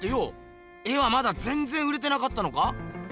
絵はまだぜんぜん売れてなかったのか？